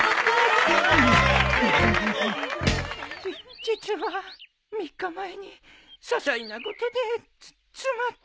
じ実は３日前にささいなことでつ妻と。